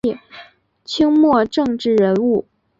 清末政治人物。